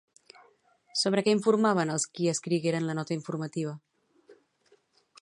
Sobre què informaven els qui escrigueren la nota informativa?